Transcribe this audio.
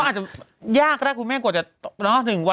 ก็อาจจะยากก็ได้คุณแม่กว่าจะ๑วันที่ผ่านไว้